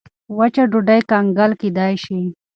وچه ډوډۍ کنګل کېدای شي.